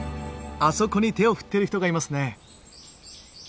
あそこに手を振っている人がいますね。